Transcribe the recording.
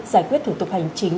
giải quyết thủ tục hành chính